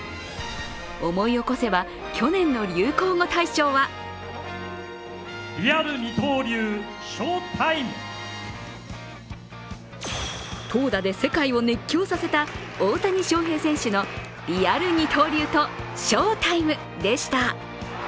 思い起こせば去年の流行語大賞は投打で世界を熱狂させた大谷翔平選手のリアル二刀流と翔タイムでした。